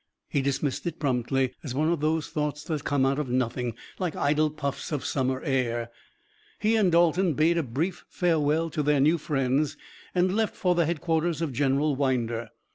He dismissed it promptly, as one of those thoughts that come out of nothing, like idle puffs of summer air. He and Dalton bade a brief farewell to their new friends and left for the headquarters of General Winder.